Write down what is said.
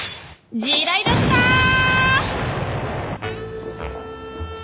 地雷だったー！！